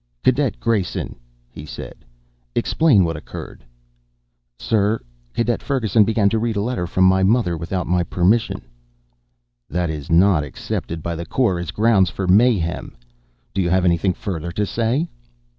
"Cadet Grayson," he said, "explain what occurred." "Sir, Cadet Ferguson began to read a letter from my mother without my permission." "That is not accepted by the Corps as grounds for mayhem. Do you have anything further to say?"